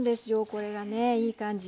これがねいい感じ！